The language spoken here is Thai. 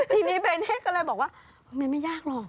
ทีนี้เบนเฮ้ก็เลยบอกว่ามันไม่ยากหรอก